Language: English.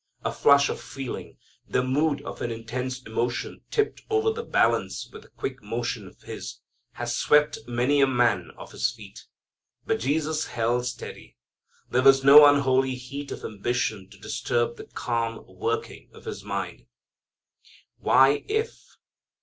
A flush of feeling, the mood of an intense emotion tipped over the balance with a quick motion of his, has swept many a man off his feet. But Jesus held steady. There was no unholy heat of ambition to disturb the calm working of His mind. Why "if"?